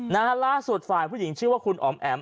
ล่าสุดฝ่ายผู้หญิงชื่อว่าคุณอ๋อมแอ๋ม